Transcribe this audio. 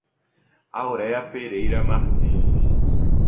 Aurea Pereira Martins